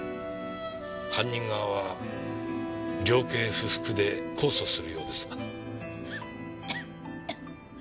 犯人側は量刑不服で控訴するようですが。